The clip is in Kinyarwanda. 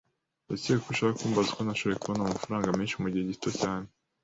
Ndakeka ko ushaka kumbaza uko nashoboye kubona amafaranga menshi mugihe gito cyane.